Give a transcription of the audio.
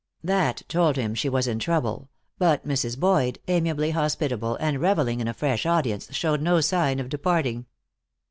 That told him she was in trouble, but Mrs. Boyd, amiably hospitable and reveling in a fresh audience, showed no sign of departing.